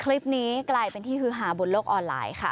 คลิปนี้กลายเป็นที่ฮือหาบนโลกออนไลน์ค่ะ